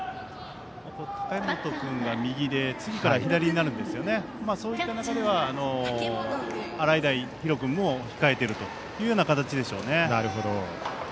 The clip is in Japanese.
竹本君が右で次から左になるのでそういった中では、洗平比呂君も控えているというような形でしょうね。